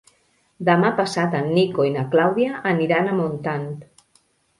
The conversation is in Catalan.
Demà passat en Nico i na Clàudia aniran a Montant.